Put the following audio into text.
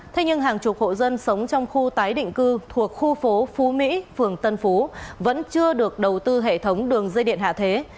thế nhưng hàng chục hộ dân sống trong khu tái định cư thuộc khu phố phú mỹ phường tân phú vẫn chưa được đầu tư hệ thống đường dây điện hạ thế